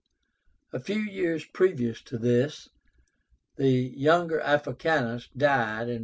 A few years previous to this, the younger Africánus died (129).